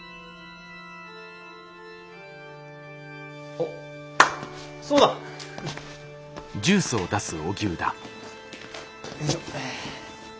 あっそうだ！よいしょ。